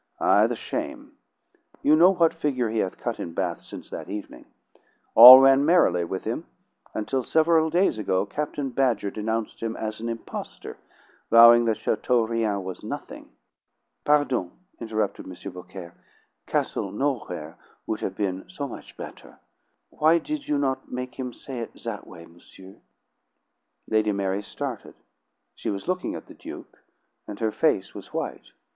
Ay, the shame! You know what figure he hath cut in Bath since that evening. All ran merrily with him until several days ago Captain Badger denounced him as an impostor, vowing that Chateaurien was nothing." "Pardon," interrupted M. Beaucaire. "'Castle Nowhere' would have been so much better. Why did you not make him say it that way, monsieur?" Lady Mary started; she was looking at the Duke, and her face was white.